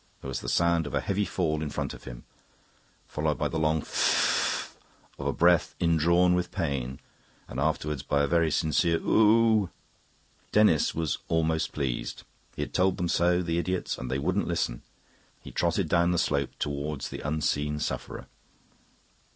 there was the sound of a heavy fall in front of him, followed by the long "F f f f f" of a breath indrawn with pain and afterwards by a very sincere, "Oo ooh!" Denis was almost pleased; he had told them so, the idiots, and they wouldn't listen. He trotted down the slope towards the unseen sufferer.